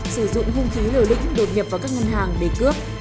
sử dụng hung khí liều lĩnh đột nhập vào các ngân hàng để cướp